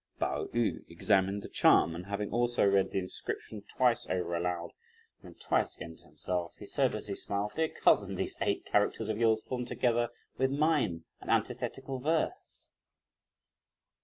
Pao yü examined the charm, and having also read the inscription twice over aloud, and then twice again to himself, he said as he smiled, "Dear cousin, these eight characters of yours form together with mine an antithetical verse."